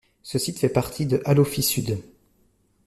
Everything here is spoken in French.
Ce site fait partie de Alofi Sud.